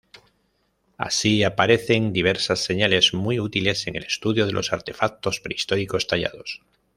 Así, aparecen diversas señales muy útiles en el estudio de los artefactos prehistóricos tallados.